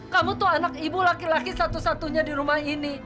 kamu tuh anak ibu laki laki satu satunya di rumah ini